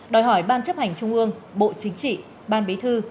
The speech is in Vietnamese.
đòi hỏi ban chấp hành trung ương bộ chính trị ban bí thư